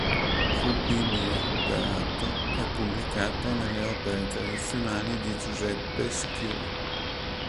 Fu quindi recuperato e pubblicato nelle opere tradizionali di Giuseppe Schirò.